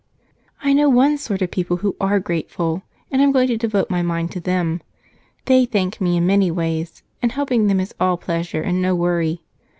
"I know one sort of people who are grateful and I'm going to devote my mind to them. They thank me in many ways, and helping them is all pleasure and no worry.